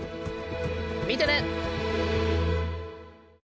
見てね！